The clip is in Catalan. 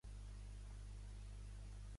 Saps tant i vas a peu?